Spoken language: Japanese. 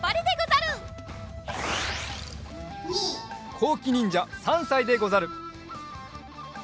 こうきにんじゃ３さいでござる。